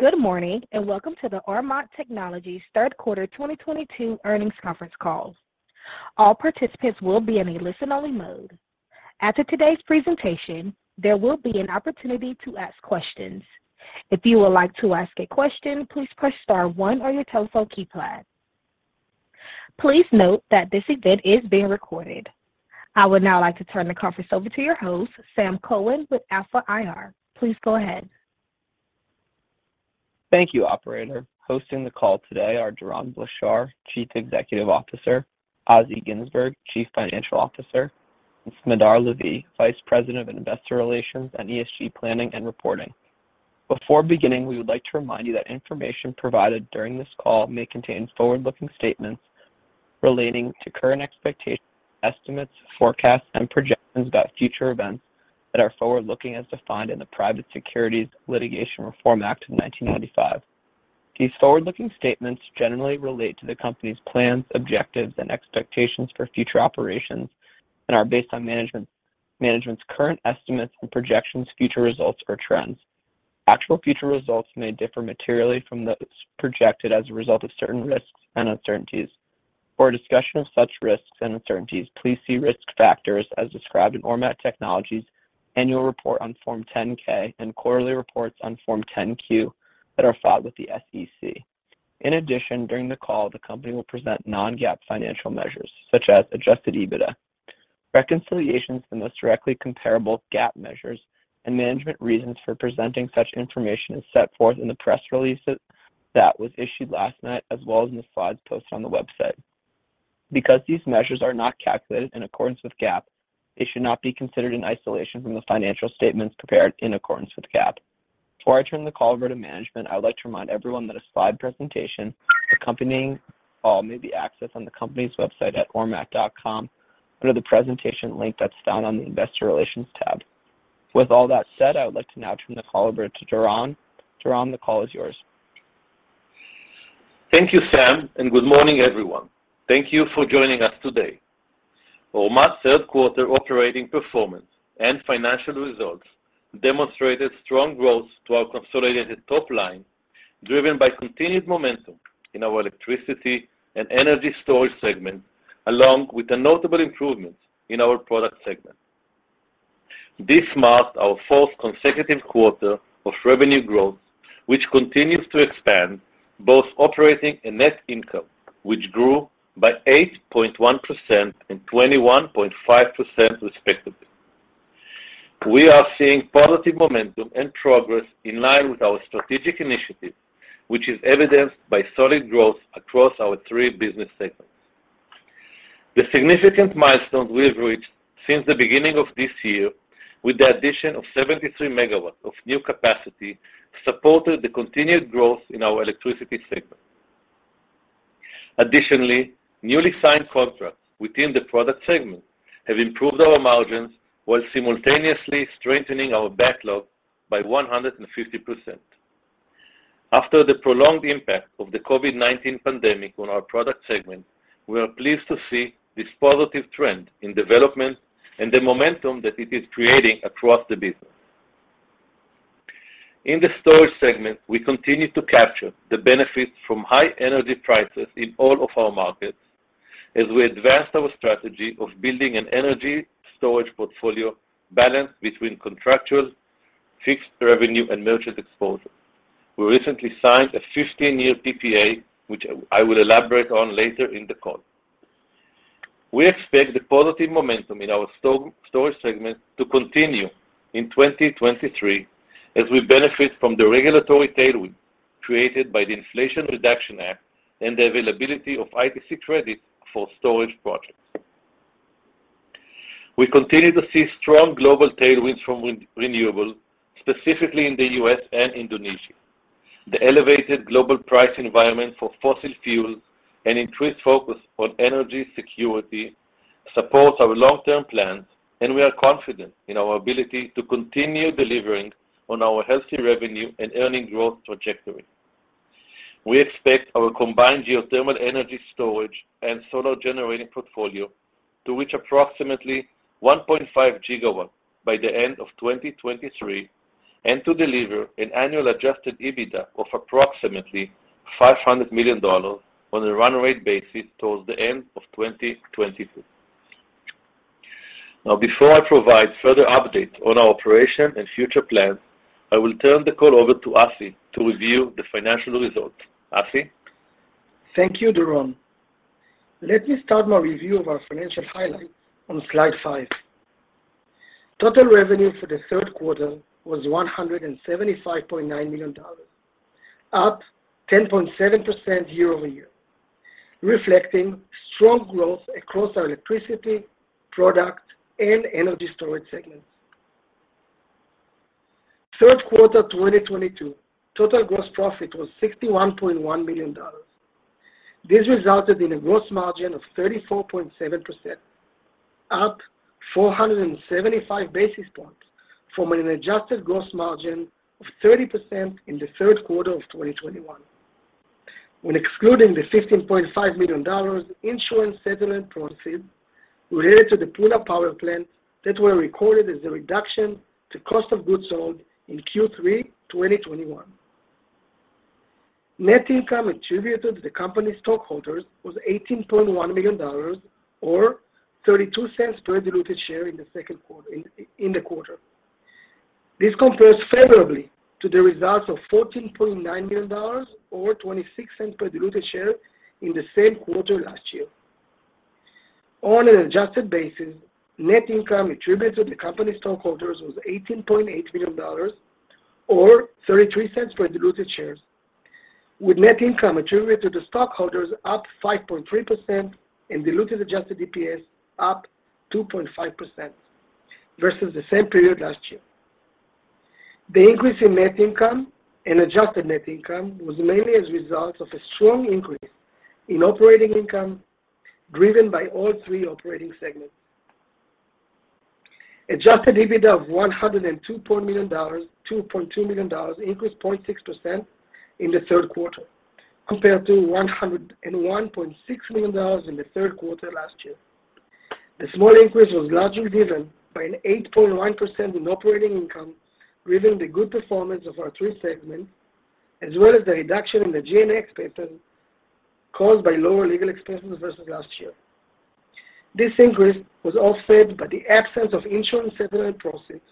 Good morning, and welcome to the Ormat Technologies third quarter 2022 earnings conference call. All participants will be in a listen-only mode. After today's presentation, there will be an opportunity to ask questions. If you would like to ask a question, please press star one on your telephone keypad. Please note that this event is being recorded. I would now like to turn the conference over to your host, Sam Cohen with Alpha IR. Please go ahead. Thank you, operator. Hosting the call today are Doron Blachar, Chief Executive Officer, Assi Ginzburg, Chief Financial Officer, and Smadar Lavi, Vice President of Investor Relations and ESG Planning and Reporting. Before beginning, we would like to remind you that information provided during this call may contain forward-looking statements relating to current expectations, estimates, forecasts, and projections about future events that are forward-looking as defined in the Private Securities Litigation Reform Act of 1995. These forward-looking statements generally relate to the company's plans, objectives, and expectations for future operations and are based on management's current estimates and projections future results or trends. Actual future results may differ materially from those projected as a result of certain risks and uncertainties. For a discussion of such risks and uncertainties, please see risk factors as described in Ormat Technologies' annual report on Form 10-K and quarterly reports on Form 10-Q that are filed with the SEC. In addition, during the call, the company will present non-GAAP financial measures, such as Adjusted EBITDA. Reconciliations to the most directly comparable GAAP measures and management reasons for presenting such information is set forth in the press release that was issued last night, as well as in the slides posted on the website. Because these measures are not calculated in accordance with GAAP, they should not be considered in isolation from the financial statements prepared in accordance with GAAP. Before I turn the call over to management, I would like to remind everyone that a slide presentation accompanying the call may be accessed on the company's website at ormat.com under the presentation link that's found on the Investor Relations tab. With all that said, I would like to now turn the call over to Doron. Doron, the call is yours. Thank you, Sam, and good morning, everyone. Thank you for joining us today. Ormat's third quarter operating performance and financial results demonstrated strong growth to our consolidated top line, driven by continued momentum in our electricity and energy storage segment, along with a notable improvement in our product segment. This marked our fourth consecutive quarter of revenue growth, which continues to expand both operating and net income, which grew by 8.1% and 21.5% respectively. We are seeing positive momentum and progress in line with our strategic initiative, which is evidenced by solid growth across our three business segments. The significant milestones we have reached since the beginning of this year with the addition of 73 megawatts of new capacity, supported the continued growth in our electricity segment. Additionally, newly signed contracts within the product segment have improved our margins while simultaneously strengthening our backlog by 150%. After the prolonged impact of the COVID-19 pandemic on our product segment, we are pleased to see this positive trend in development and the momentum that it is creating across the business. In the storage segment, we continue to capture the benefits from high energy prices in all of our markets as we advanced our strategy of building an energy storage portfolio balanced between contractual, fixed revenue, and merchant exposure. We recently signed a 15-year PPA, which I will elaborate on later in the call. We expect the positive momentum in our storage segment to continue in 2023 as we benefit from the regulatory tailwind created by the Inflation Reduction Act and the availability of ITC credits for storage projects. We continue to see strong global tailwinds from renewables, specifically in the US and Indonesia. The elevated global price environment for fossil fuels and an increased focus on energy security support our long-term plans, and we are confident in our ability to continue delivering on our healthy revenue and earnings growth trajectory. We expect our combined geothermal, energy storage, and solar generating portfolio to reach approximately 1.5 gigawatts by the end of 2023, and to deliver an annual Adjusted EBITDA of approximately $500 million on a run rate basis towards the end of 2024. Now, before I provide further updates on our operations and future plans, I will turn the call over to Assi to review the financial results. Assi? Thank you, Doron. Let me start my review of our financial highlights on slide five. Total revenue for the third quarter was $175.9 million, up 10.7% year-over-year, reflecting strong growth across our electricity, product, and energy storage segments. Third quarter 2022, total gross profit was $61.1 million. This resulted in a gross margin of 34.7%, up 475 basis points from an adjusted gross margin of 30% in the third quarter of 2021. When excluding the $15.5 million insurance settlement proceeds related to the Puna power plant that were recorded as a reduction to cost of goods sold in Q3 2021. Net income attributed to the company's stockholders was $18.1 million or 32 cents per diluted share in the second quarter. This compares favorably to the results of $14.9 million or 26 cents per diluted share in the same quarter last year. On an adjusted basis, net income attributed to the company's stockholders was $18.8 million or 33 cents per diluted share. With net income attributed to stockholders up 5.3% and diluted adjusted DPS up 2.5% versus the same period last year. The increase in net income and adjusted net income was mainly as a result of a strong increase in operating income, driven by all three operating segments. Adjusted EBITDA of $102.2 million increased 0.6% in the third quarter compared to $101.6 million in the third quarter last year. The small increase was largely driven by an 8.1% increase in operating income, driven by the good performance of our three segments, as well as the reduction in the G&A expenses caused by lower legal expenses versus last year. This increase was offset by the absence of insurance settlement proceeds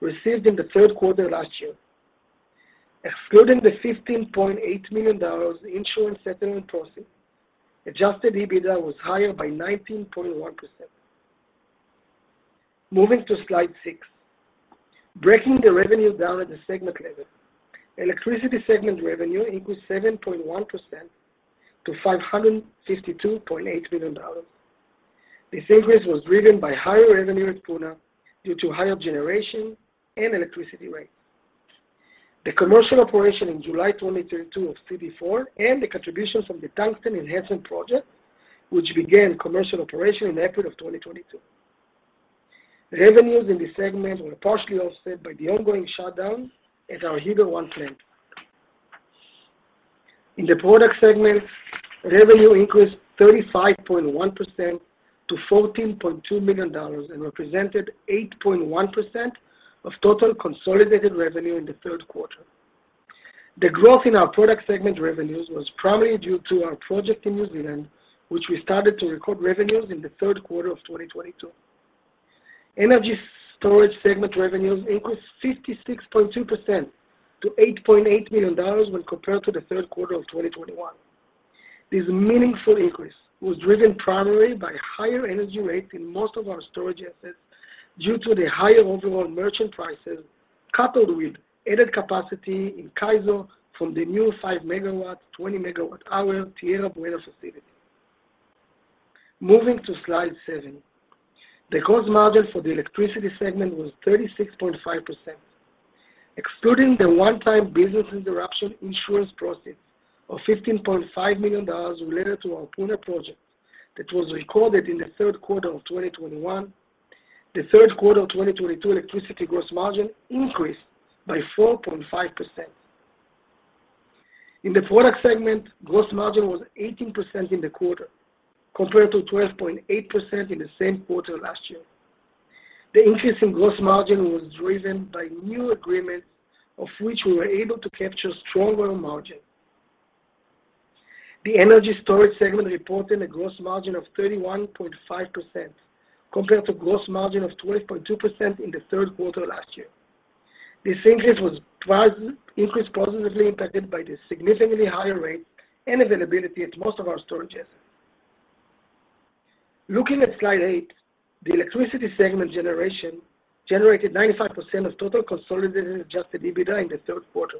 received in the third quarter last year. Excluding the $15.8 million insurance settlement proceeds, adjusted EBITDA was higher by 19.1%. Moving to slide six. Breaking the revenues down at the segment level. Electricity segment revenue increased 7.1% to $552.8 million. This increase was driven by higher revenue at Puna due to higher generation and electricity rates. The commercial operation in July 2022 of CD4 and the contributions from the Tungsten enhancement project, which began commercial operation in April 2022. Revenues in this segment were partially offset by the ongoing shutdowns at our Heber 1 plant. In the product segment, revenue increased 35.1% to $14.2 million and represented 8.1% of total consolidated revenue in the third quarter. The growth in our product segment revenues was primarily due to our project in New Zealand, which we started to record revenues in the third quarter of 2022. Energy storage segment revenues increased 56.2% to $8.8 million when compared to the third quarter of 2021. This meaningful increase was driven primarily by higher energy rates in most of our storage assets due to the higher overall merchant prices, coupled with added capacity in CAISO from the new 5 MW, 20 MWh Tierra Buena facility. Moving to slide 7. The gross margin for the electricity segment was 36.5%. Excluding the one-time business interruption insurance proceeds of $15.5 million related to our Puna project that was recorded in the third quarter of 2021, the third quarter of 2022 electricity gross margin increased by 4.5%. In the product segment, gross margin was 18% in the quarter, compared to 12.8% in the same quarter last year. The increase in gross margin was driven by new agreements, of which we were able to capture stronger margins. The energy storage segment reported a gross margin of 31.5% compared to gross margin of 12.2% in the third quarter last year. This increase was positively impacted by the significantly higher rates and availability at most of our storage assets. Looking at slide 8, the electricity segment generated 95% of total consolidated adjusted EBITDA in the third quarter.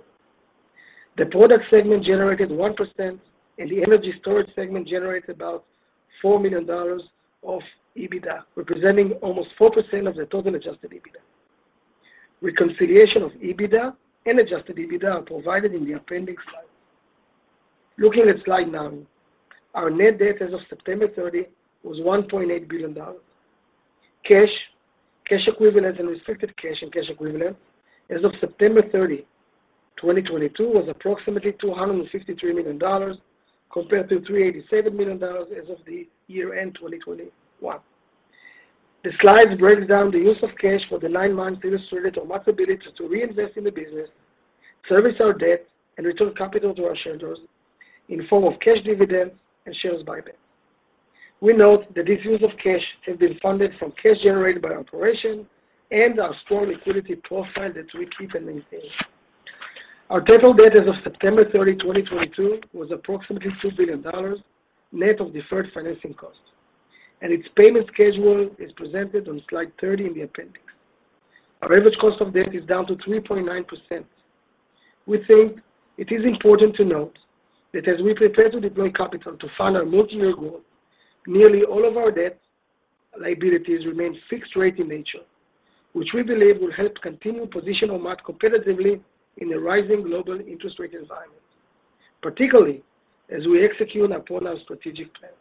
The product segment generated 1%, and the energy storage segment generated about $4 million of EBITDA, representing almost 4% of the total adjusted EBITDA. Reconciliation of EBITDA and adjusted EBITDA are provided in the appendix slides. Looking at slide 9, our net debt as of September 30 was $1.8 billion. Cash, cash equivalents, and restricted cash and cash equivalents as of September 30, 2022, was approximately $253 million compared to $387 million as of year-end 2021. The slide breaks down the use of cash for the nine months illustrates Ormat's ability to reinvest in the business, service our debt, and return capital to our shareholders in the form of cash dividends and share buyback. We note that this use of cash has been funded from cash generated by operations and our strong liquidity profile that we keep and maintain. Our total debt as of September 30, 2022, was approximately $2 billion, net of deferred financing costs, and its payment schedule is presented on slide 30 in the appendix. Our average cost of debt is down to 3.9%. We think it is important to note that as we prepare to deploy capital to fund our multi-year growth, nearly all of our debt liabilities remain fixed rate in nature, which we believe will help continue to position Ormat competitively in a rising global interest rate environment. Particularly, as we execute our Puna strategic plan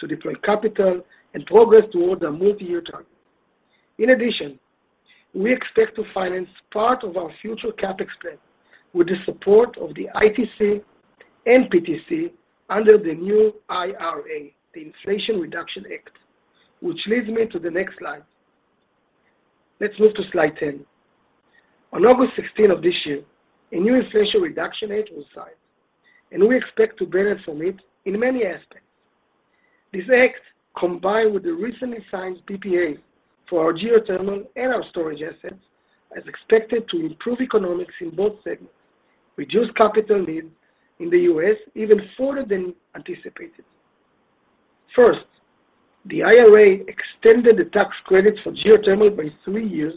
to deploy capital and progress towards our multi-year target. In addition, we expect to finance part of our future CapEx plan with the support of the ITC and PTC under the new IRA, the Inflation Reduction Act, which leads me to the next slide. Let's move to slide 10. On August 16 of this year, a new Inflation Reduction Act was signed, and we expect to benefit from it in many aspects. This act, combined with the recently signed PPAs for our geothermal and our storage assets, is expected to improve economics in both segments, reduce capital needs in the U.S. even further than anticipated. First, the IRA extended the tax credits for geothermal by 3 years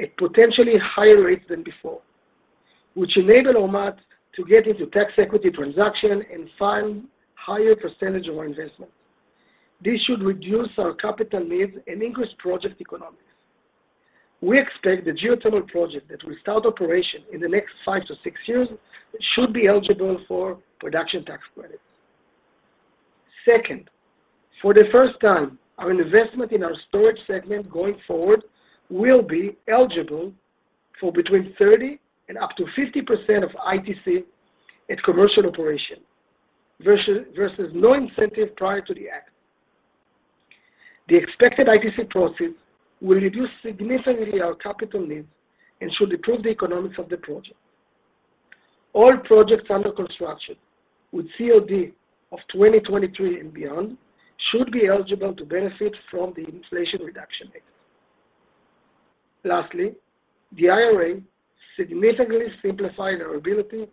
at potentially higher rates than before, which enable Ormat to get into tax equity transaction and fund higher percentage of our investment. This should reduce our capital needs and increase project economics. We expect the geothermal project that will start operation in the next 5-6 years should be eligible for production tax credits. Second, for the first time, our investment in our storage segment going forward will be eligible for between 30 and up to 50% of ITC at commercial operation, versus no incentive prior to the act. The expected ITC proceeds will reduce significantly our capital needs and should improve the economics of the project. All projects under construction with COD of 2023 and beyond should be eligible to benefit from the Inflation Reduction Act. Lastly, the IRA significantly simplified our ability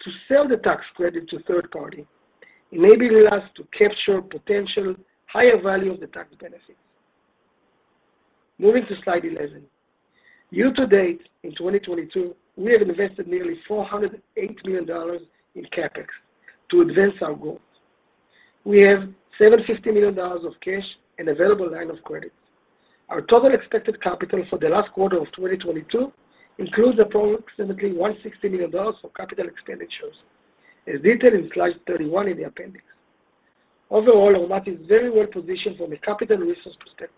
to sell the tax credit to third party, enabling us to capture potential higher value of the tax benefits. Moving to slide 11. Year to date in 2022, we have invested nearly $408 million in CapEx to advance our goals. We have $750 million of cash and available line of credit. Our total expected capital for the last quarter of 2022 includes approximately $160 million for capital expenditures, as detailed in slide 31 in the appendix. Overall, Ormat is very well positioned from a capital resource perspective,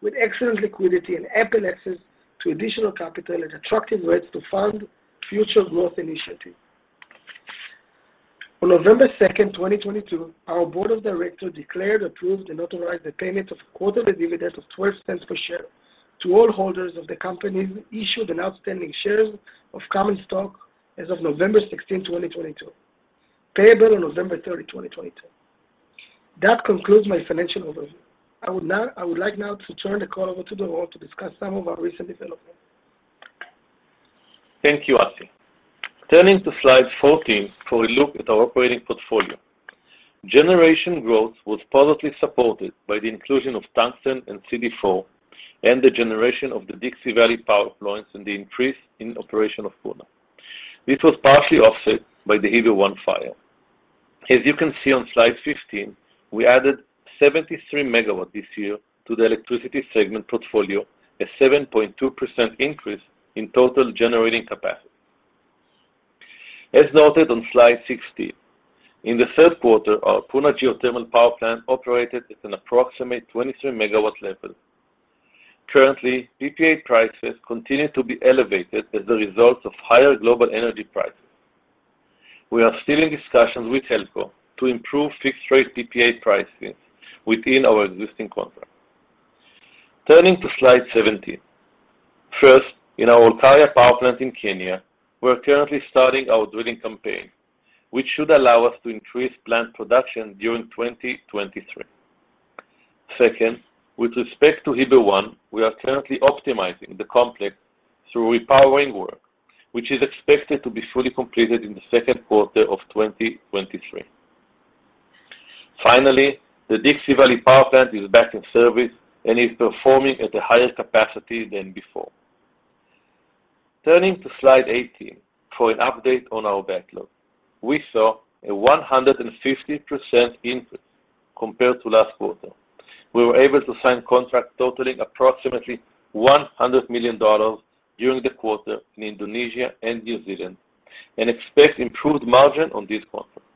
with excellent liquidity and ample access to additional capital at attractive rates to fund future growth initiatives. On November second, 2022, our board of directors declared, approved and authorized the payment of a quarterly dividend of $0.12 per share to all holders of the company's issued and outstanding shares of common stock as of November sixteenth, 2022, payable on November thirtieth, 2022. That concludes my financial overview. I would like now to turn the call over to Doron to discuss some of our recent developments. Thank you, Assi. Turning to slide 14 for a look at our operating portfolio. Generation growth was positively supported by the inclusion of CD4 and the generation of the Dixie Valley Power Plant and the increase in operation of Puna. This was partially offset by the Heber 1 fire. As you can see on slide 15, we added 73 MW this year to the electricity segment portfolio, a 7.2% increase in total generating capacity. As noted on slide 16, in the third quarter, our Puna Geothermal Power Plant operated at an approximate 23 MW level. Currently, PPA prices continue to be elevated as a result of higher global energy prices. We are still in discussions with HELCO to improve fixed rate PPA pricing within our existing contract. Turning to slide 17. First, in our Olkaria Power Plant in Kenya, we're currently starting our drilling campaign, which should allow us to increase plant production during 2023. Second, with respect to Heber 1, we are currently optimizing the complex through repowering work, which is expected to be fully completed in the second quarter of 2023. Finally, the Dixie Valley Power Plant is back in service and is performing at a higher capacity than before. Turning to slide 18 for an update on our backlog. We saw a 150% increase compared to last quarter. We were able to sign contracts totaling approximately $100 million during the quarter in Indonesia and New Zealand, and expect improved margin on these contracts.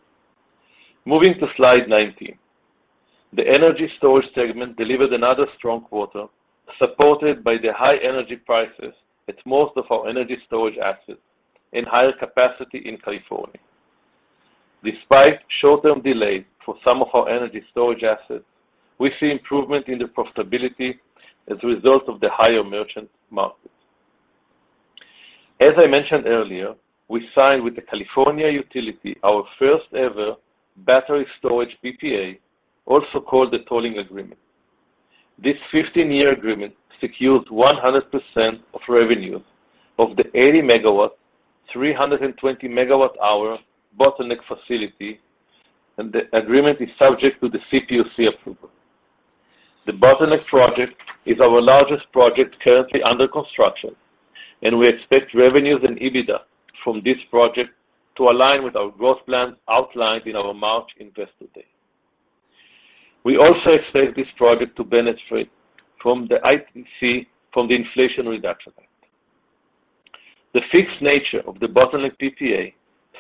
Moving to slide 19. The energy storage segment delivered another strong quarter, supported by the high energy prices at most of our energy storage assets and higher capacity in California. Despite short-term delays for some of our energy storage assets, we see improvement in the profitability as a result of the higher merchant market. As I mentioned earlier, we signed with the California Utility our first-ever battery storage PPA, also called the tolling agreement. This 15-year agreement secures 100% of revenue of the 80 MW, 320 MWh Bottleneck facility, and the agreement is subject to the CPUC approval. The Bottleneck project is our largest project currently under construction, and we expect revenues and EBITDA from this project to align with our growth plans outlined in our March investor day. We also expect this project to benefit from the ITC from the Inflation Reduction Act. The fixed nature of the Bottleneck PPA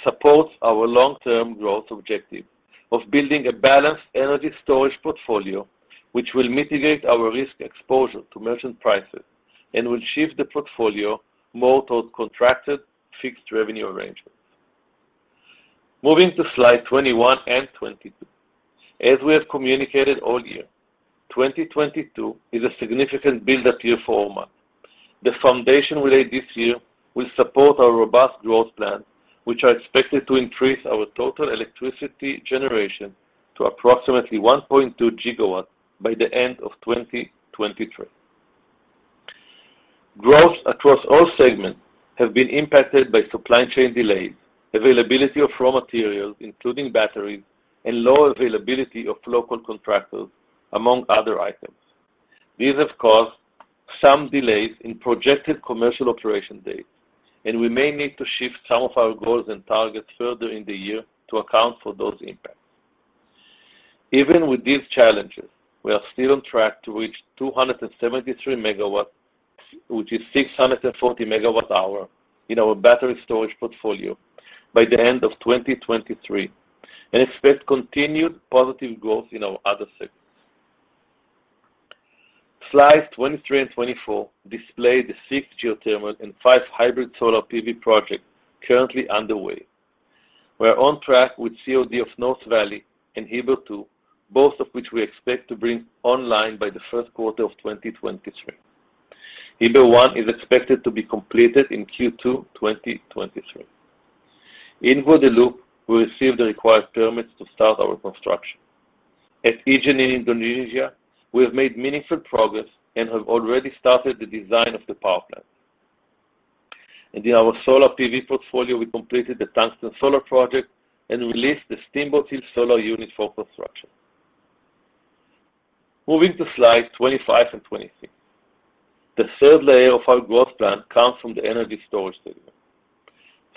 supports our long-term growth objective of building a balanced energy storage portfolio, which will mitigate our risk exposure to merchant prices and will shift the portfolio more towards contracted fixed revenue arrangements. Moving to slide 21 and 22. As we have communicated all year, 2022 is a significant build-up year for Ormat. The foundation we lay this year will support our robust growth plans, which are expected to increase our total electricity generation to approximately 1.2 gigawatts by the end of 2023. Growth across all segments have been impacted by supply chain delays, availability of raw materials, including batteries, and low availability of local contractors, among other items. These have caused some delays in projected commercial operation dates, and we may need to shift some of our goals and targets further in the year to account for those impacts. Even with these challenges, we are still on track to reach 273 megawatts, which is 640 megawatt hour in our battery storage portfolio by the end of 2023, and expect continued positive growth in our other segments. Slides 23 and 24 display the six geothermal and five hybrid solar PV projects currently underway. We are on track with COD of North Valley and Heber Two, both of which we expect to bring online by the first quarter of 2023. Heber One is expected to be completed in Q2 2023. In Guadeloupe, we received the required permits to start our construction. At Ijen in Indonesia, we have made meaningful progress and have already started the design of the power plant. In our solar PV portfolio, we completed the Tungsten Solar project and released the Steamboat Hills solar unit for construction. Moving to slides 25 and 26. The third layer of our growth plan comes from the energy storage segment.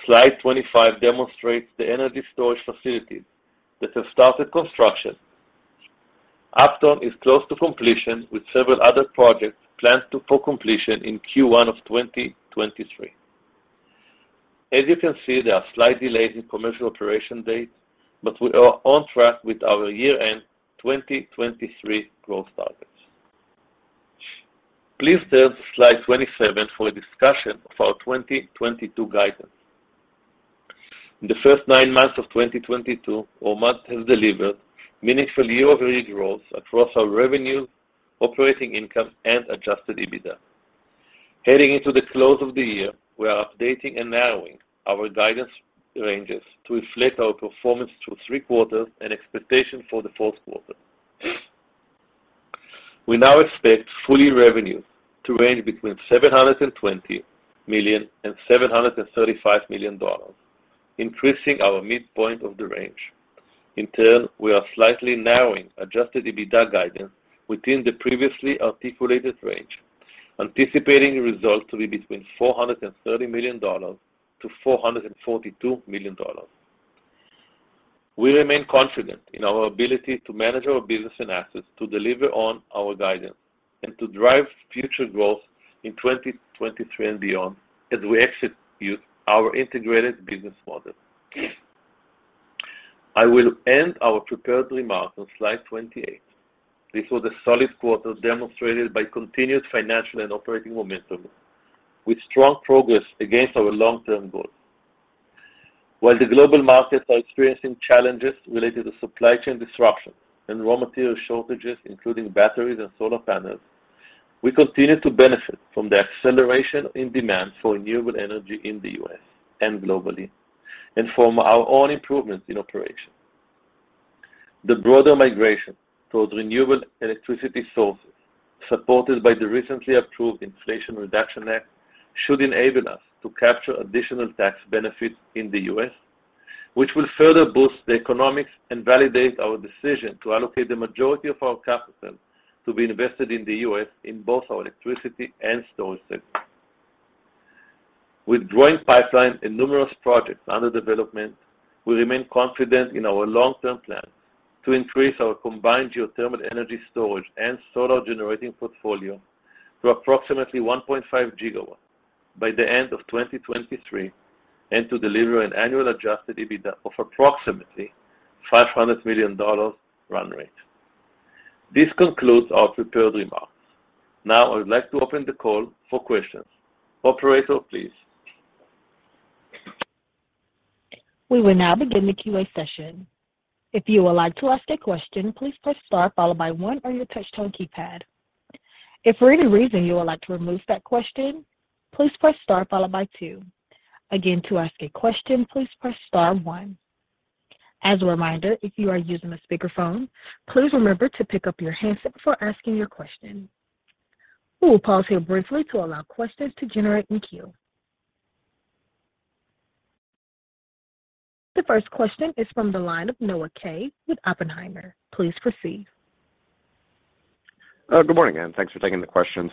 Slide 25 demonstrates the energy storage facilities that have started construction. Upton is close to completion, with several other projects planned for completion in Q1 of 2023. As you can see, there are slight delays in commercial operation dates, but we are on track with our year-end 2023 growth targets. Please turn to slide 27 for a discussion of our 2022 guidance. In the first nine months of 2022, Ormat has delivered meaningful year-over-year growth across our revenue, operating income, and adjusted EBITDA. Heading into the close of the year, we are updating and narrowing our guidance ranges to reflect our performance through three quarters and expectations for the fourth quarter. We now expect full-year revenue to range between $720 million and $735 million, increasing our midpoint of the range. In turn, we are slightly narrowing Adjusted EBITDA guidance within the previously articulated range, anticipating results to be between $430 million and $442 million. We remain confident in our ability to manage our business and assets to deliver on our guidance and to drive future growth in 2023 and beyond as we execute our integrated business model. I will end our prepared remarks on slide 28. This was a solid quarter demonstrated by continuous financial and operating momentum with strong progress against our long-term goals. While the global markets are experiencing challenges related to supply chain disruptions and raw material shortages, including batteries and solar panels, we continue to benefit from the acceleration in demand for renewable energy in the U.S. and globally and from our own improvements in operations. The broader migration towards renewable electricity sources, supported by the recently approved Inflation Reduction Act, should enable us to capture additional tax benefits in the U.S., which will further boost the economics and validate our decision to allocate the majority of our capital to be invested in the U.S. in both our electricity and storage segments. With growing pipeline and numerous projects under development, we remain confident in our long-term plans to increase our combined geothermal energy storage and solar generating portfolio to approximately 1.5 gigawatts by the end of 2023 and to deliver an annual Adjusted EBITDA of approximately $500 million run rate. This concludes our prepared remarks. Now I would like to open the call for questions. Operator, please. We will now begin the Q&A session. If you would like to ask a question, please press star followed by one on your touch tone keypad. If for any reason you would like to remove that question, please press star followed by two. Again, to ask a question, please press star one. As a reminder, if you are using a speakerphone, please remember to pick up your handset before asking your question. We will pause here briefly to allow questions to generate in queue. The first question is from the line of Noah Kaye with Oppenheimer. Please proceed. Good morning, and thanks for taking the questions.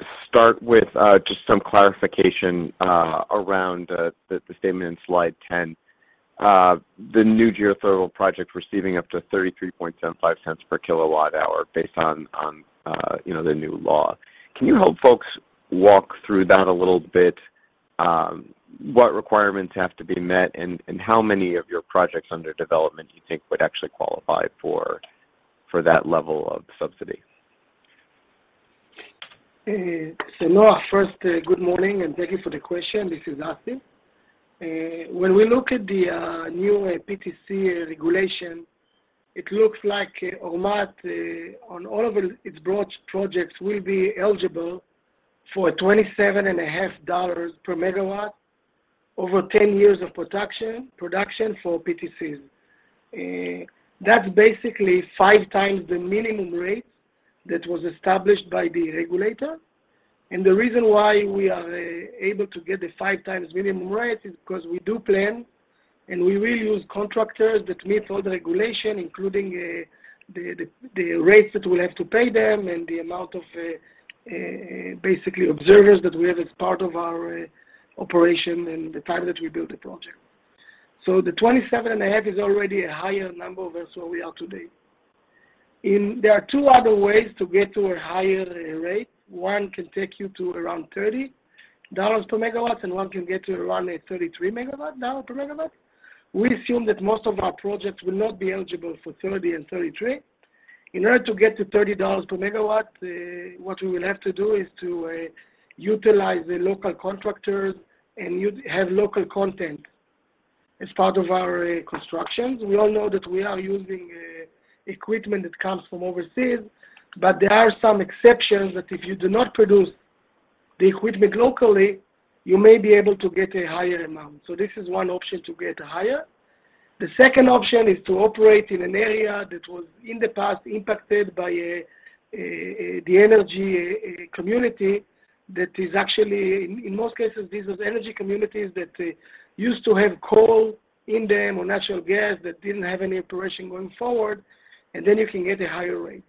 Could we start with just some clarification around the statement in slide 10 The new geothermal project receiving up to 33.75 cents per kilowatt hour based on the new law. Can you help folks walk through that a little bit? What requirements have to be met and how many of your projects under development do you think would actually qualify for that level of subsidy? Noah, first, good morning, and thank you for the question. This is Assi. When we look at the new PTC regulation, it looks like Ormat on all of its broad projects will be eligible for $27.5 per megawatt over 10 years of production for PTCs. That's basically 5 times the minimum rate that was established by the regulator. The reason why we are able to get the 5 times minimum rate is 'cause we do plan, and we will use contractors that meet all the regulation, including the rates that we'll have to pay them and the amount of basically observers that we have as part of our operation and the time that we build the project. The 27.5 is already a higher number versus where we are today. There are two other ways to get to a higher rate. One can take you to around $30 per megawatt, and one can get you around $33 per megawatt. We assume that most of our projects will not be eligible for 30 and 33. In order to get to $30 per megawatt, what we will have to do is to utilize the local contractors and have local content as part of our construction. We all know that we are using equipment that comes from overseas, but there are some exceptions that if you do not produce the equipment locally, you may be able to get a higher amount. This is one option to get higher. The second option is to operate in an area that was in the past impacted by the energy community that is actually in most cases these are energy communities that used to have coal in them or natural gas that didn't have any operation going forward, and then you can get a higher rate.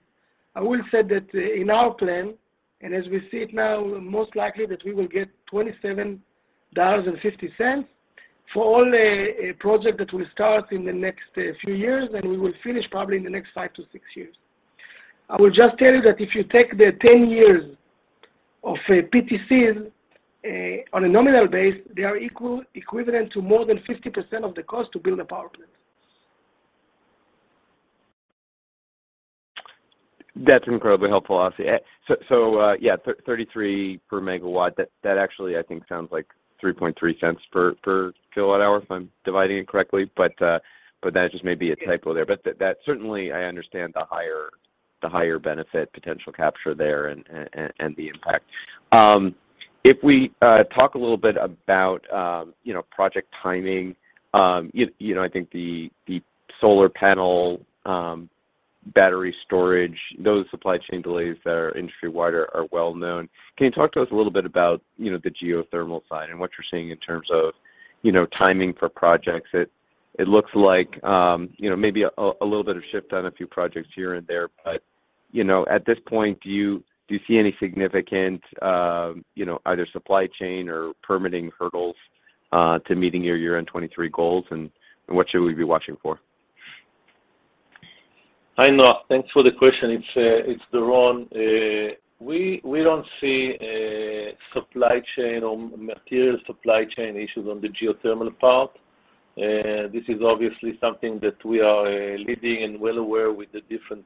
I will say that in our plan, and as we see it now, most likely that we will get $27.50 for all project that will start in the next few years, and we will finish probably in the next 5 to 6 years. I will just tell you that if you take the 10 years of PTCs on a nominal basis, they are equivalent to more than 50% of the cost to build a power plant. That's incredibly helpful, Asi. So yeah, 33 per megawatt, that actually I think sounds like 3.3 cents per kilowatt hour if I'm dividing it correctly. That just may be a typo there. That certainly I understand the higher benefit potential capture there and the impact. If we talk a little bit about you know project timing you know I think the solar panel battery storage those supply chain delays that are industry-wide are well known. Can you talk to us a little bit about you know the geothermal side and what you're seeing in terms of you know timing for projects? It looks like maybe a little bit of shift on a few projects here and there, but at this point, do you see any significant either supply chain or permitting hurdles to meeting your year-end 2023 goals, and what should we be watching for? Hi, Noah. Thanks for the question. It's Doron. We don't see a supply chain or material supply chain issues on the geothermal part. This is obviously something that we are leading and well aware with the different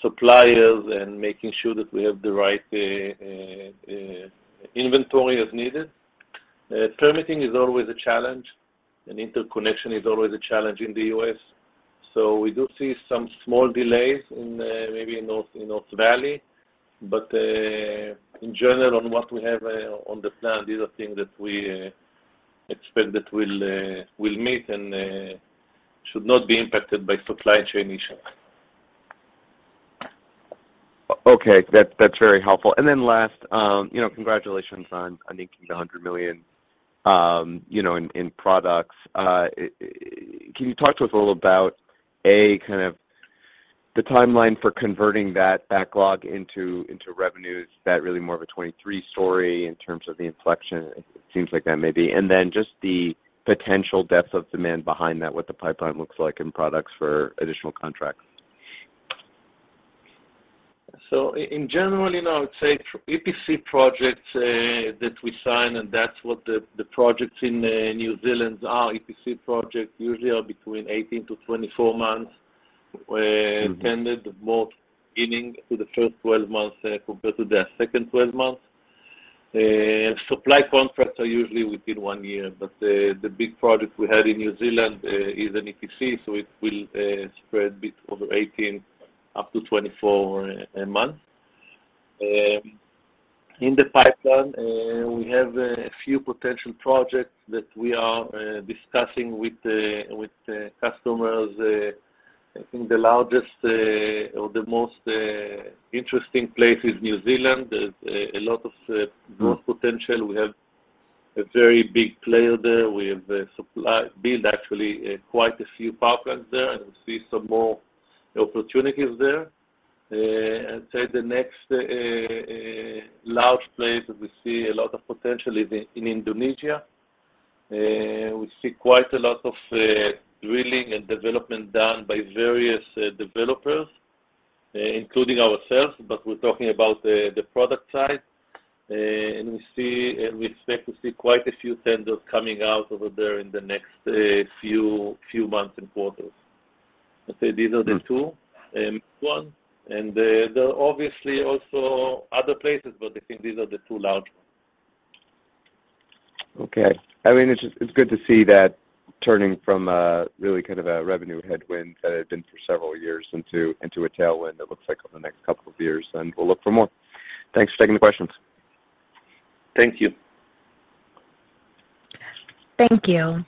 suppliers and making sure that we have the right inventory as needed. Permitting is always a challenge, and interconnection is always a challenge in the U.S. We do see some small delays in maybe in North Valley. In general, on what we have on the plan, these are things that we expect that we'll meet and should not be impacted by supply chain issues. Okay. That's very helpful. Then last congratulations on inking the $100 million in products. Can you talk to us a little about a kind of the timeline for converting that backlog into revenues? That really more of a 2023 story in terms of the inflection it seems like that may be? Then just the potential depth of demand behind that, what the pipeline looks like in products for additional contracts. In general I would say EPC projects that we sign, and that's what the projects in New Zealand are. EPC projects usually are between 18-24 months. Extended more evenly to the first 12 months compared to the second 12 months. Supply contracts are usually within 1 year, but the big project we had in New Zealand is an EPC, so it will spread a bit over 18-24 months. In the pipeline, we have a few potential projects that we are discussing with the customers. I think the largest or the most interesting place is New Zealand. There's a lot of Growth potential. We have a very big player there. We have build actually quite a few pipelines there and see some more opportunities there. I'd say the next large place that we see a lot of potential is in Indonesia. We see quite a lot of drilling and development done by various developers, including ourselves, but we're talking about the product side. We expect to see quite a few tenders coming out over there in the next few months and quarters. I'd say these are the two, and there are obviously also other places, but I think these are the two large ones. Okay. I mean, it's just, it's good to see that turning from really kind of a revenue headwind that it had been for several years into a tailwind, it looks like over the next couple of years, and we'll look for more. Thanks for taking the questions. Thank you. Thank you.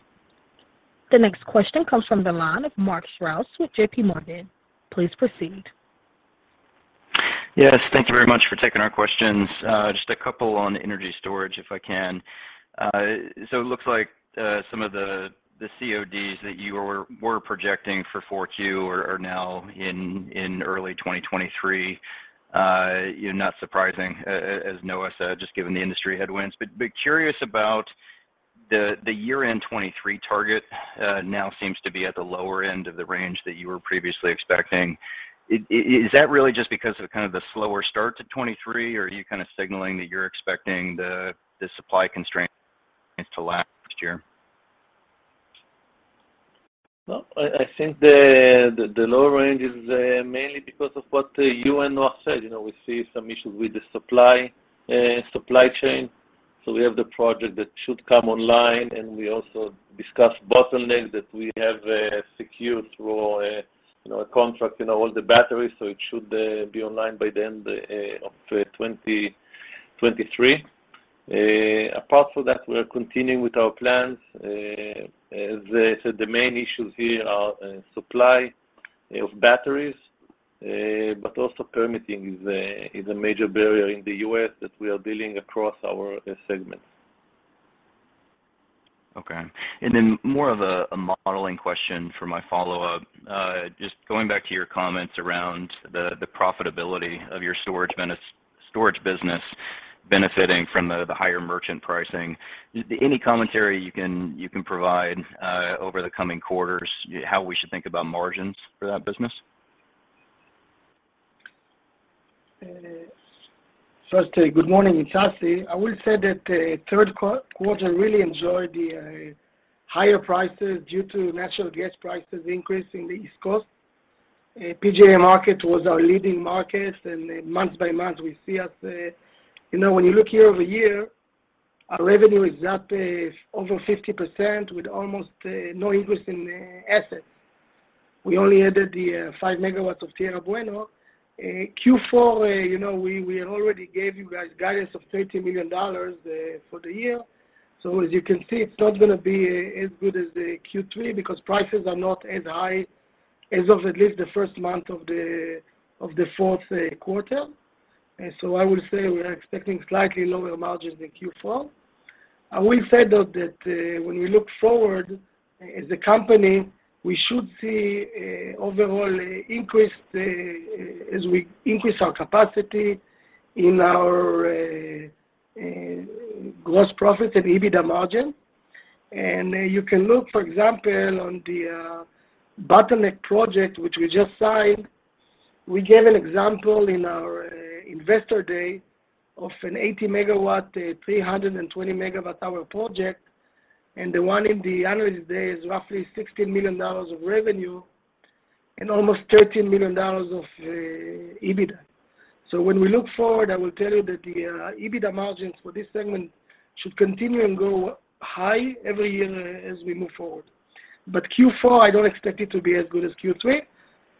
The next question comes from the line of Mark Strouse with JPMorgan. Please proceed. Yes. Thank you very much for taking our questions. Just a couple on energy storage, if I can. So it looks like some of the CODs that you were projecting for Q4 are now in early 2023. You're not surprised, as Noah said, just given the industry headwinds. Curious about the year-end 2023 target, now seems to be at the lower end of the range that you were previously expecting. Is that really just because of kind of the slower start to 2023, or are you kind of signaling that you're expecting the supply constraints to last longer? No, I think the lower range is mainly because of what you and Noah said. You know, we see some issues with the supply chain. We have the project that should come online, and we also discuss Bottleneck that we have secured through a contract all the batteries, so it should be online by the end of 2023. Apart from that, we are continuing with our plans. As I said, the main issues here are supply of batteries, but also permitting is a major barrier in the U.S. that we are dealing across our segments. Okay. More of a modeling question for my follow-up. Just going back to your comments around the profitability of your BESS storage business benefiting from the higher merchant pricing. Any commentary you can provide over the coming quarters, how we should think about margins for that business? Firstly, good morning. It's Assi. I will say that third quarter really enjoyed the higher prices due to natural gas price increase in the East Coast. PJM market was our leading market, and month by month, we see us. You know, when you look year-over-year, our revenue is up over 50% with almost no increase in assets. We only added the 5 MW of Tierra Buena. q4 we already gave you guys guidance of $30 million for the year. As you can see, it's not gonna be as good as the Q3 because prices are not as high as at least the first month of the fourth quarter. I will say we are expecting slightly lower margins in Q4. I will say, though, that when we look forward as a company, we should see an overall increase as we increase our capacity in our gross profits and EBITDA margin. You can look, for example, on the Bottleneck project which we just signed. We gave an example in our Investor Day of an 80 MW, 320 MWh project, and the one in the analyst day is roughly $16 million of revenue and almost $13 million of EBITDA. When we look forward, I will tell you that the EBITDA margins for this segment should continue and grow high every year as we move forward. Q4, I don't expect it to be as good as Q3.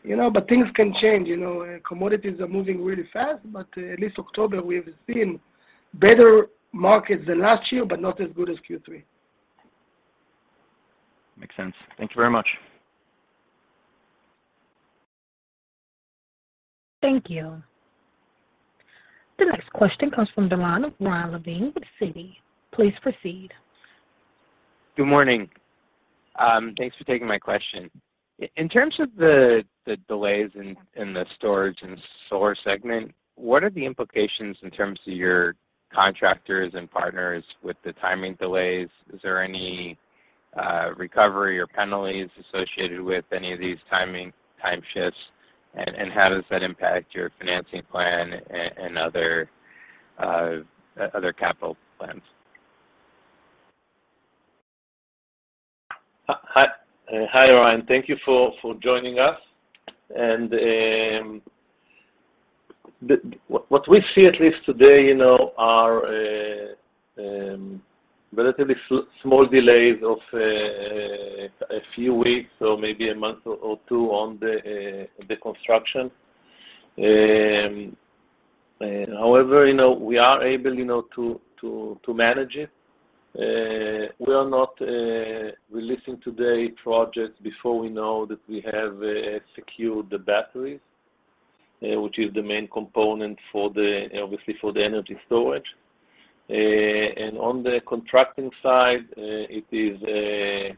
You know, but things can change. You know, commodities are moving really fast. At least October, we have seen better markets than last year, but not as good as Q3. Makes sense. Thank you very much. Thank you. The next question comes from the line of Ryan Levine with Citi. Please proceed. Good morning. Thanks for taking my question. In terms of the delays in the storage and solar segment, what are the implications in terms of your contractors and partners with the timing delays? Is there any recovery or penalties associated with any of these time shifts? How does that impact your financing plan and other capital plans? Hi, Ryan. Thank you for joining us. What we see at least today are relatively small delays of a few weeks or maybe a month or two on the construction. however we are able to manage it. We are not releasing today projects before we know that we have secured the batteries, which is the main component for the, obviously for the energy storage. On the contracting side, it is a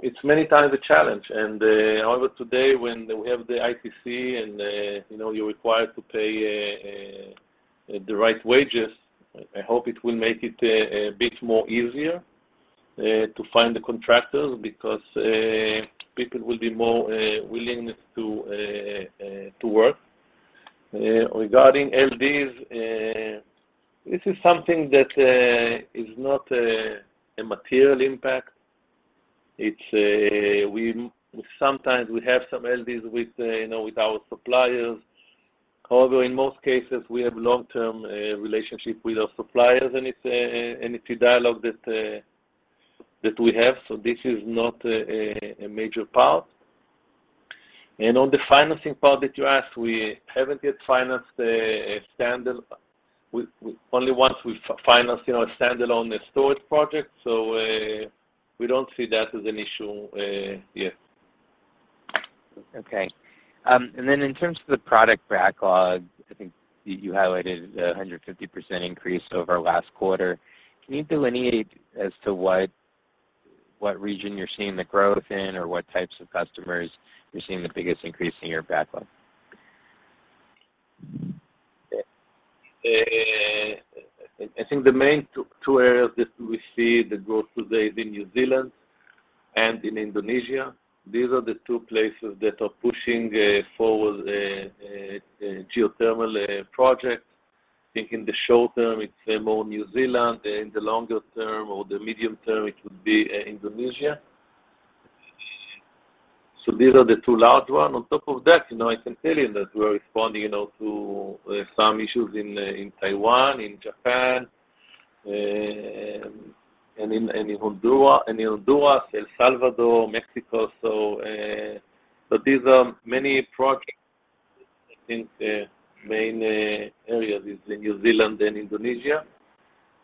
It's many times a challenge. However today, when we have the ITC and you're required to pay the right wages, I hope it will make it a bit more easier to find the contractors because people will be more willing to work. Regarding LDs, this is something that is not a material impact. It's. Sometimes we have some LDs with with our suppliers. However, in most cases, we have long-term relationship with our suppliers, and it's a dialogue that we have. This is not a major part. On the financing part that you asked, we haven't yet financed a standalone. Only once we've financed a standalone storage project. We don't see that as an issue yet. Okay. Then in terms of the product backlog, I think you highlighted the 150% increase over last quarter. Can you delineate as to what region you're seeing the growth in or what types of customers you're seeing the biggest increase in your backlog? I think the main two areas that we see the growth today is in New Zealand and in Indonesia. These are the two places that are pushing forward geothermal projects. I think in the short term, it's more New Zealand. In the longer term or the medium term, it would be Indonesia. These are the two large ones. On top of that I can tell you that we are responding to some issues in Taiwan, in Japan, and in Honduras, El Salvador, Mexico. These are many projects. I think the main areas is in New Zealand and Indonesia.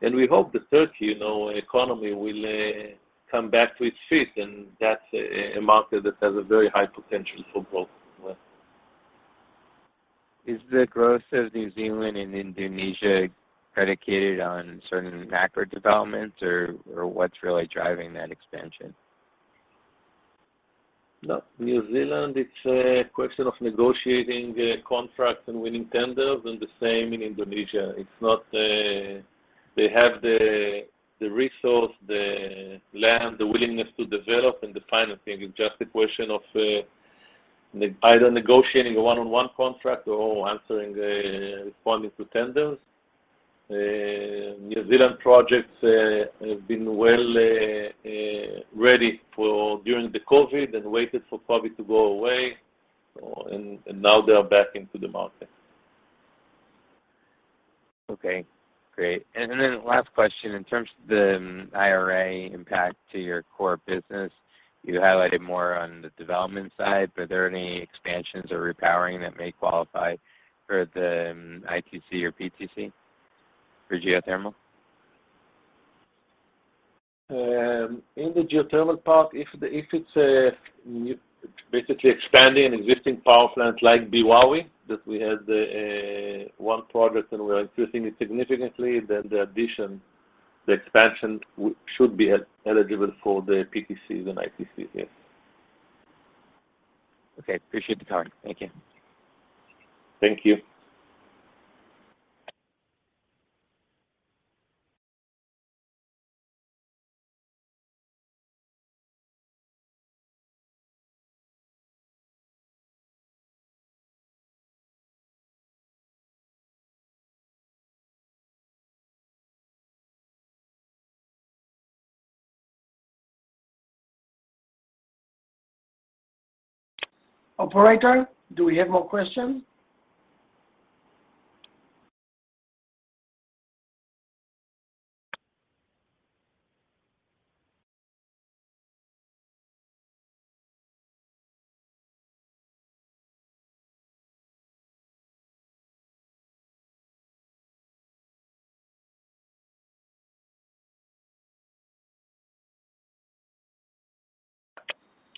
We hope that Turkey's economy will come back to its feet, and that's a market that has a very high potential for growth as well. Is the growth of New Zealand and Indonesia predicated on certain macro developments or, what's really driving that expansion? No. New Zealand, it's a question of negotiating contracts and winning tenders, and the same in Indonesia. It's not. They have the resource, the land, the willingness to develop and the financing. It's just a question of either negotiating a one-on-one contract or responding to tenders. New Zealand projects have been ready during the COVID and waited for COVID to go away. Now they are back into the market. Okay, great. Last question, in terms of the IRA impact to your core business, you highlighted more on the development side, but are there any expansions or repowering that may qualify for the ITC or PTC for geothermal? In the geothermal part, if it's basically expanding an existing power plant like Brawley, that we had one project, and we are increasing it significantly, then the addition, the expansion should be eligible for the PTCs and ITCs, yes. Okay. Appreciate the time. Thank you. Thank you. Operator, do we have more questions?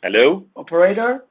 Hello? Operator?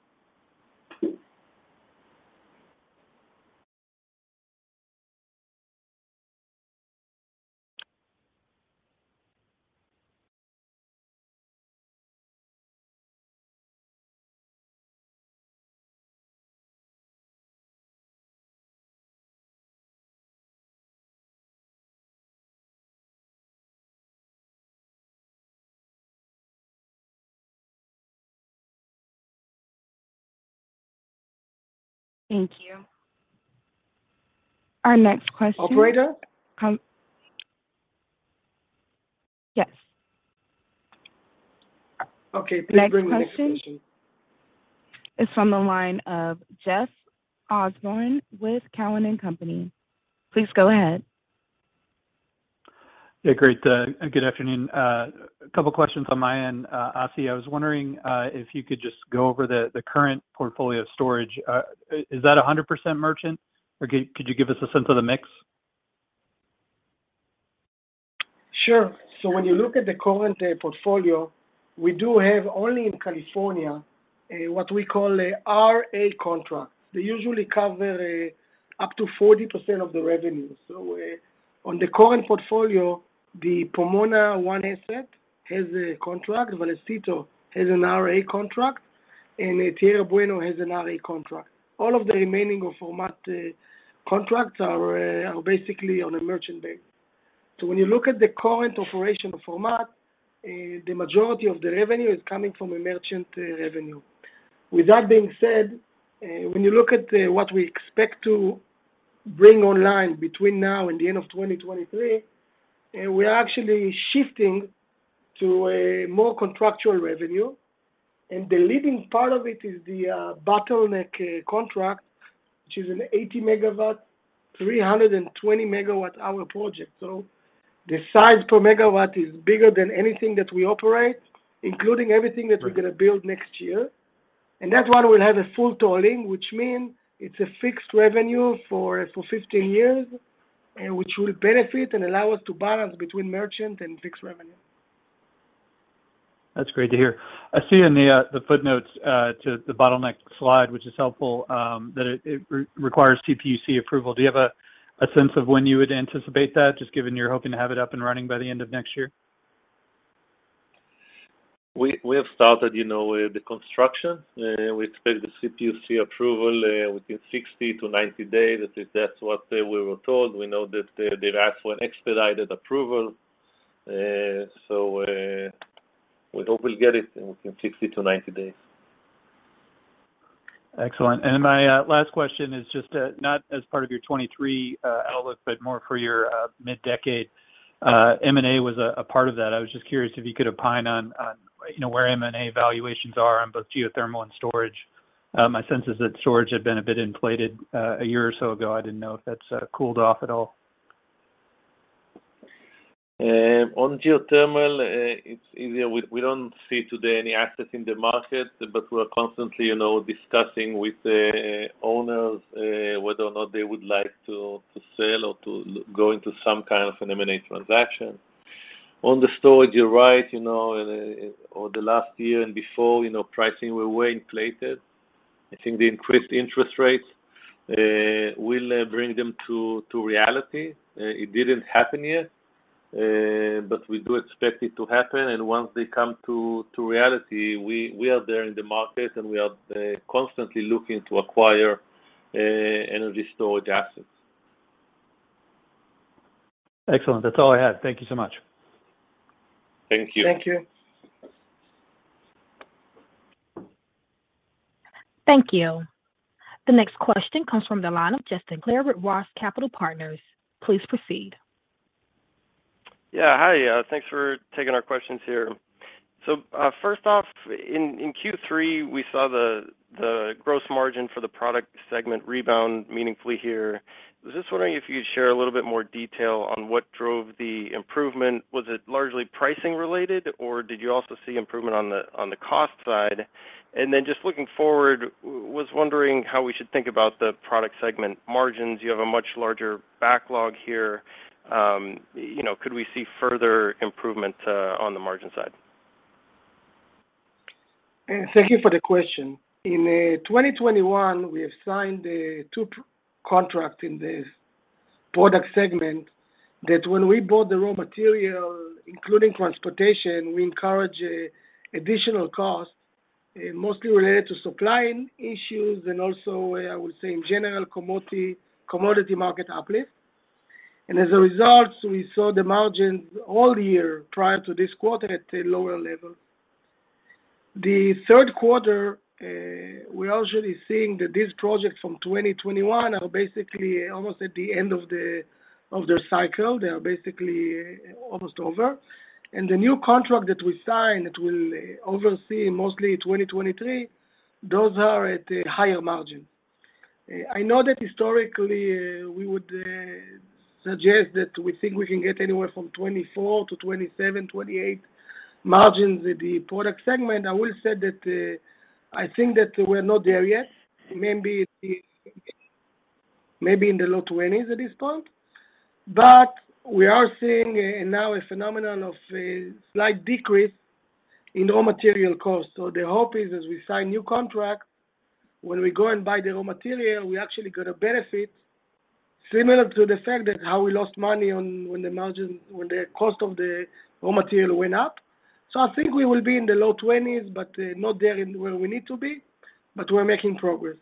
Thank you. Our next question. Operator? Yes. Okay. Please bring the next question. Next question is from the line of Jeff Osborne with Cowen& Company. Please go ahead. Yeah, great. Good afternoon. A couple questions on my end. Assi, I was wondering if you could just go over the current portfolio storage. Is that 100% merchant, or could you give us a sense of the mix? Sure. When you look at the current portfolio, we do have only in California. What we call a RA contract. They usually cover up to 40% of the revenue. On the current portfolio, the Pomona 1 asset has a contract, Vallecito has an RA contract, and Tierra Buena has an RA contract. All of the remaining of Ormat contracts are basically on a merchant basis. When you look at the current operation of Ormat, the majority of the revenue is coming from a merchant revenue. With that being said, when you look at what we expect to bring online between now and the end of 2023, we're actually shifting to a more contractual revenue. The leading part of it is the Bottleneck contract, which is an 80 megawatt, 320 megawatt hour project. The size per megawatt is bigger than anything that we operate, including everything that we're gonna build next year. That one will have a full tolling, which mean it's a fixed revenue for 15 years, which will benefit and allow us to balance between merchant and fixed revenue. That's great to hear. I see in the footnotes to the Bottleneck slide, which is helpful, that it requires CPUC approval. Do you have a sense of when you would anticipate that, just given you're hoping to have it up and running by the end of next year? We have started with the construction. We expect the CPUC approval within 60-90 days. That's what we were told. We know that they've asked for an expedited approval. We hope we'll get it within 60-90 days. Excellent. My last question is just not as part of your 2023 outlook, but more for your mid-decade. M&A was a part of that. I was just curious if you could opine on where M&A valuations are on both geothermal and storage. My sense is that storage had been a bit inflated a year or so ago. I didn't know if that's cooled off at all. On geothermal, it's easier. We don't see today any assets in the market, but we're constantly discussing with owners whether or not they would like to sell or go into some kind of an M&A transaction. On the storage, you're right. You know, on the last year and before pricing were way inflated. I think the increased interest rates will bring them to reality. It didn't happen yet, but we do expect it to happen. Once they come to reality, we are there in the market, and we are constantly looking to acquire energy storage assets. Excellent. That's all I had. Thank you so much. Thank you. Thank you. Thank you. The next question comes from the line of Justin Clare with ROTH Capital Partners. Please proceed. Yeah, hi. Thanks for taking our questions here. So, first off, in Q3, we saw the gross margin for the product segment rebound meaningfully here. I was just wondering if you'd share a little bit more detail on what drove the improvement. Was it largely pricing related, or did you also see improvement on the cost side? Then just looking forward, was wondering how we should think about the product segment margins. You have a much larger backlog here. You know, could we see further improvement on the margin side? Thank you for the question. In 2021, we have signed two contracts in the product segment that when we bought the raw material, including transportation, we incurred additional costs, mostly related to supply issues and also, I would say, in general, commodity market uplift. As a result, we saw the margins all year prior to this quarter at a lower level. The third quarter, we're actually seeing that these projects from 2021 are basically almost at the end of their cycle. They are basically almost over. The new contract that we sign that will be seen mostly 2023, those are at a higher margin. I know that historically, we would suggest that we think we can get anywhere from 24%-28% margins with the product segment. I will say that, I think that we're not there yet. Maybe in the low 20s% at this point. We are seeing now a phenomenon of a slight decrease in raw material costs. The hope is as we sign new contract, when we go and buy the raw material, we actually got a benefit similar to the fact that how we lost money on when the cost of the raw material went up. I think we will be in the low 20s%, but not there in where we need to be, but we're making progress.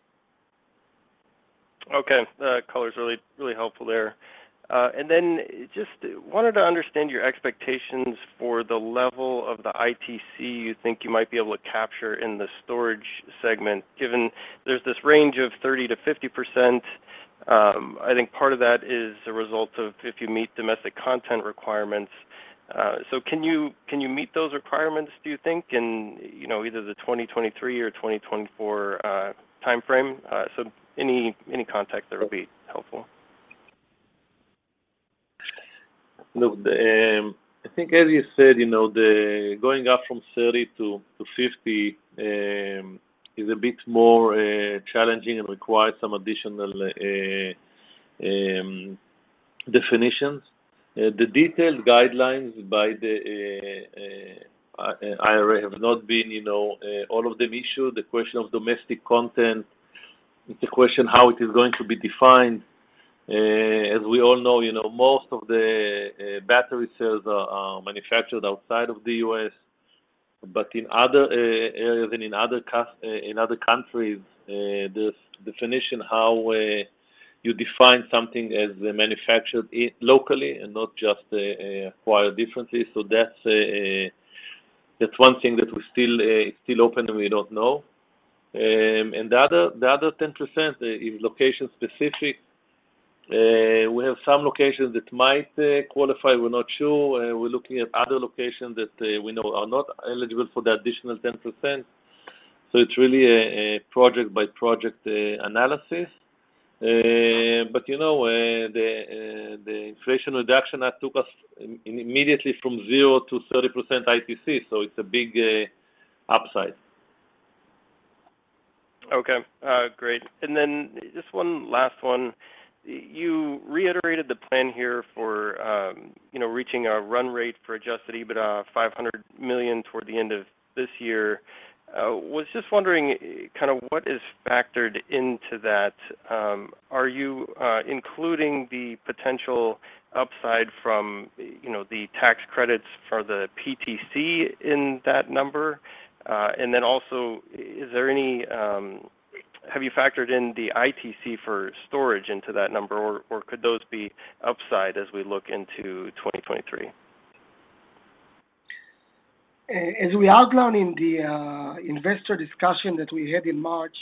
Okay. That color's really, really helpful there. Just wanted to understand your expectations for the level of the ITC you think you might be able to capture in the storage segment, given there's this range of 30%-50%. I think part of that is a result of if you meet domestic content requirements. Can you meet those requirements, do you think, in either the 2023 or 2024 timeframe? Any context there will be helpful. Look, I think as you said the going up from 30%-50% is a bit more challenging and requires some additional definitions. The detailed guidelines by the IRA have not been all of them issued. The question of domestic content, it's a question how it is going to be defined. As we all know most of the battery cells are manufactured outside of the U.S. In other areas and in other countries, this definition, how you define something as manufactured locally and not just quite differently. That's one thing that we still open and we don't know. The other 10% is location-specific. We have some locations that might qualify. We're not sure. We're looking at other locations that we know are not eligible for the additional 10%. It's really a project-by-project analysis. You know, the Inflation Reduction Act took us immediately from zero to 30% ITC, so it's a big upside. Okay. Great. Just one last one. You reiterated the plan here for reaching a run rate for adjusted EBITDA of $500 million toward the end of this year. Was just wondering kinda what is factored into that. Are you including the potential upside from the tax credits for the PTC in that number? Have you factored in the ITC for storage into that number, or could those be upside as we look into 2023? As we outlined in the investor discussion that we had in March,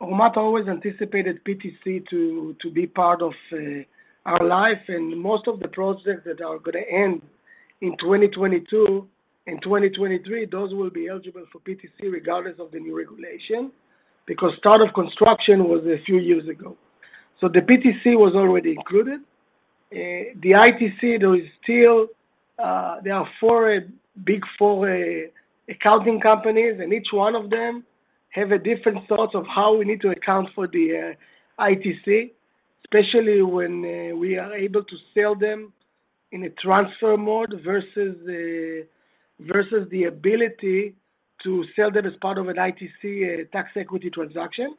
Ormat always anticipated PTC to be part of our life. Most of the projects that are gonna end in 2022 and 2023, those will be eligible for PTC regardless of the new regulation, because start of construction was a few years ago. The PTC was already included. The ITC, though. There are four Big Four accounting companies, and each one of them have a different thought of how we need to account for the ITC, especially when we are able to sell them in a transfer mode versus the ability to sell them as part of an ITC tax equity transaction.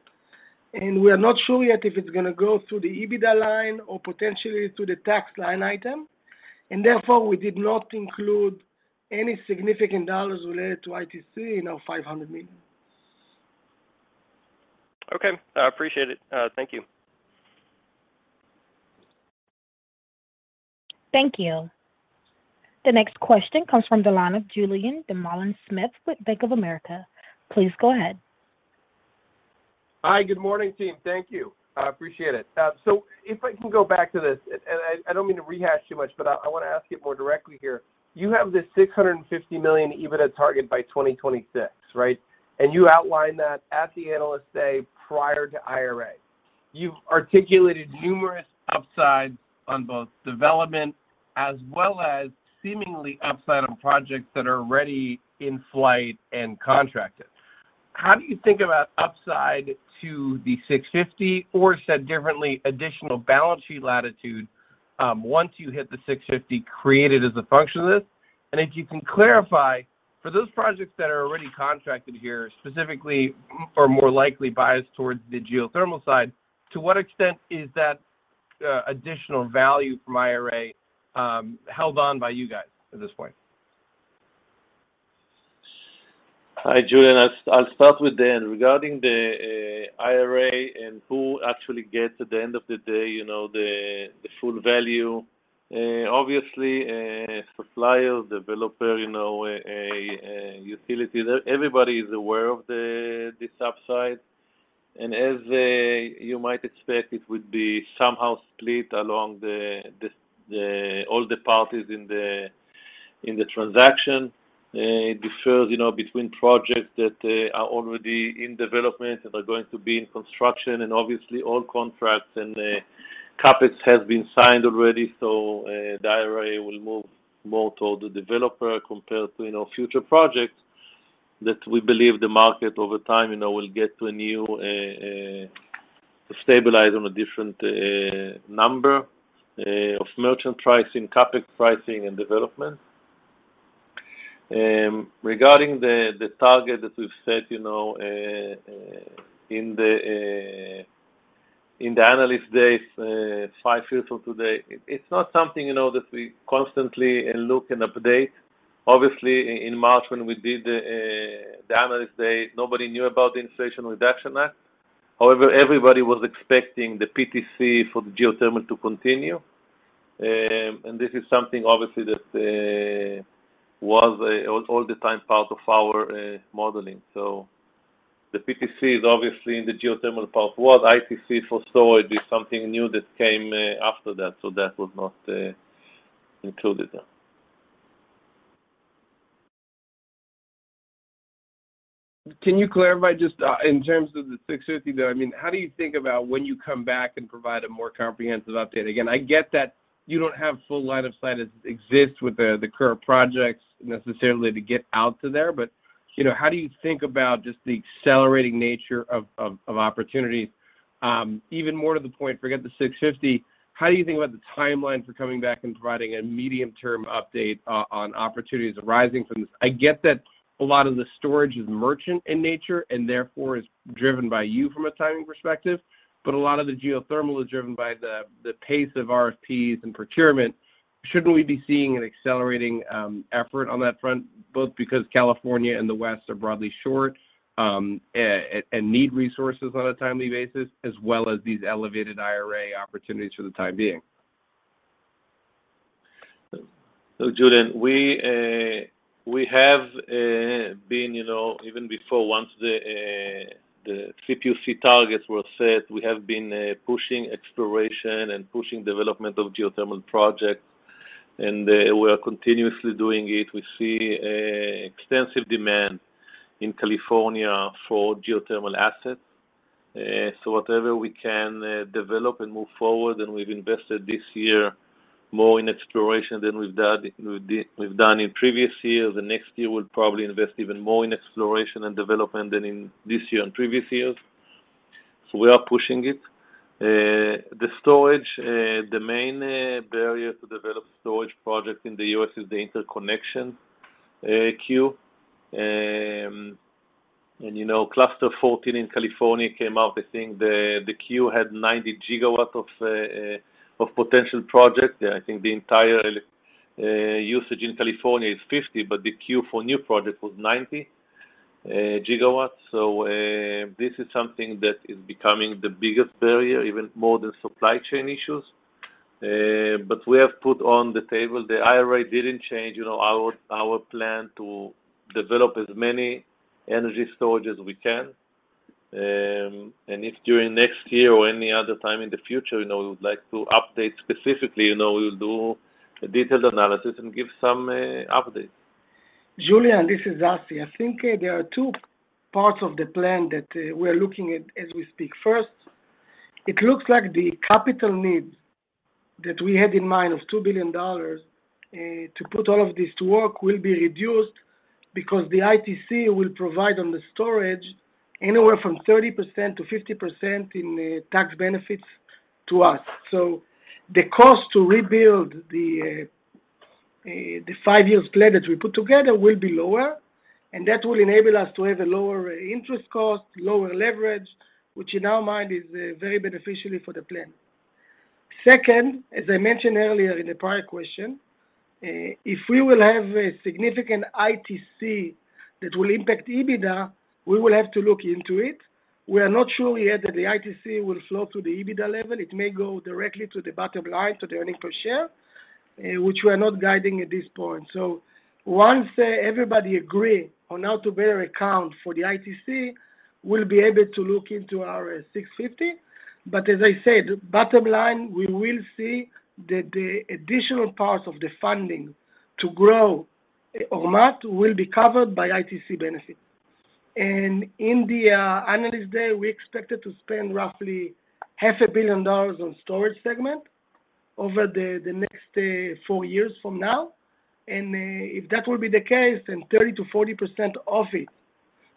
We are not sure yet if it's gonna go through the EBITDA line or potentially through the tax line item. Therefore, we did not include any significant dollars related to ITC in our $500 million. Okay. I appreciate it. Thank you. Thank you. The next question comes from the line of Julien Dumoulin-Smith with Bank of America. Please go ahead. Hi. Good morning, team. Thank you. I appreciate it. If I can go back to this, and I don't mean to rehash too much, but I wanna ask it more directly here. You have this $650 million EBITDA target by 2026, right? You outlined that at the Analyst Day prior to IRA. You've articulated numerous upsides on both development as well as seemingly upside on projects that are already in flight and contracted. How do you think about upside to the $650 million, or said differently, additional balance sheet latitude, once you hit the $650 million created as a function of this? If you can clarify, for those projects that are already contracted here, specifically or more likely biased towards the geothermal side, to what extent is that additional value from IRA held on by you guys at this point? Hi, Julien. I'll start with then. Regarding the IRA and who actually gets at the end of the day the full value, obviously supplier, developer utility, everybody is aware of this upside. As you might expect, it would be somehow split among all the parties in the transaction. It differs between projects that are already in development and are going to be in construction. Obviously, all contracts and CapEx has been signed already. The IRA will move more toward the developer compared to future projects that we believe the market over time will get to a new stability on a different number of merchant pricing, CapEx pricing, and development. Regarding the target that we've set in the Analyst Day, five years or today, it's not something that we constantly look and update. Obviously, in March, when we did the Analyst Day, nobody knew about the Inflation Reduction Act. However, everybody was expecting the PTC for the geothermal to continue. This is something obviously that was all the time part of our modeling. The PTC is obviously in the geothermal part. While ITC for storage is something new that came after that, so that was not included there. Can you clarify just in terms of the $650 though, I mean, how do you think about when you come back and provide a more comprehensive update? Again, I get that you don't have full line of sight as exists with the current projects necessarily to get out to there, but you know, how do you think about just the accelerating nature of opportunities? Even more to the point, forget the $650, how do you think about the timeline for coming back and providing a medium-term update on opportunities arising from this? I get that a lot of the storage is merchant in nature and therefore is driven by you from a timing perspective, but a lot of the geothermal is driven by the pace of RFPs and procurement. Shouldn't we be seeing an accelerating effort on that front, both because California and the West are broadly short, and need resources on a timely basis, as well as these elevated IRA opportunities for the time being? Julien Dumoulin-Smith, we have been even before the CPUC targets were set, pushing exploration and pushing development of geothermal projects, and we are continuously doing it. We see extensive demand in California for geothermal assets. Whatever we can develop and move forward, and we've invested this year more in exploration than we've done in previous years. Next year we'll probably invest even more in exploration and development than in this year and previous years. We are pushing it. The storage, the main barrier to develop storage projects in the U.S. is the interconnection queue. Cluster 14 in California came out. I think the queue had 90 gigawatts of potential projects. I think the entire usage in California is 50 GW, but the queue for new projects was 90 GW. This is something that is becoming the biggest barrier, even more than supply chain issues. We have put on the table. The IRA didn't change our plan to develop as many energy storage as we can. If during next year or any other time in the future we would like to update specifically we'll do a detailed analysis and give some updates. Julien, this is Assi. I think there are two parts of the plan that we are looking at as we speak. First, it looks like the capital needs that we had in mind of $2 billion to put all of this to work will be reduced because the ITC will provide on the storage anywhere from 30% to 50% in tax benefits to us. The cost to rebuild the five-year plan that we put together will be lower, and that will enable us to have a lower interest cost, lower leverage, which in our mind is very beneficial for the plan. Second, as I mentioned earlier in the prior question, if we will have a significant ITC that will impact EBITDA, we will have to look into it. We are not sure yet that the ITC will flow to the EBITDA level. It may go directly to the bottom line, so the earnings per share, which we are not guiding at this point. Once everybody agree on how to account for the ITC, we'll be able to look into our 650. As I said, bottom line, we will see that the additional part of the funding to grow Ormat will be covered by ITC benefit. In the Analyst Day, we expected to spend roughly $ half a billion on storage segment over the next four years from now. If that will be the case, then 30%-40% of it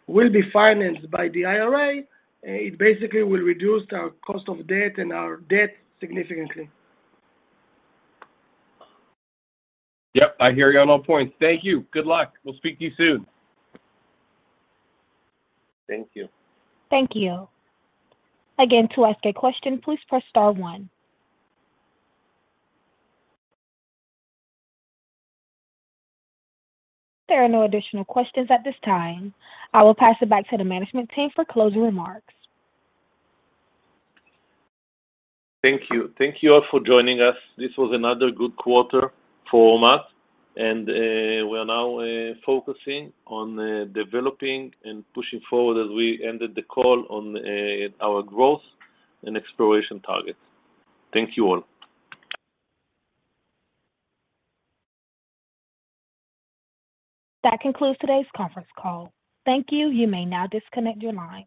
will be financed by the IRA. It basically will reduce our cost of debt and our debt significantly. Yep. I hear you on all points. Thank you. Good luck. We'll speak to you soon. Thank you. Thank you. Again, to ask a question, please press star one. There are no additional questions at this time. I will pass it back to the management team for closing remarks. Thank you. Thank you all for joining us. This was another good quarter for Ormat, and we are now focusing on developing and pushing forward as we ended the call on our growth and exploration targets. Thank you all. That concludes today's conference call. Thank you. You may now disconnect your line.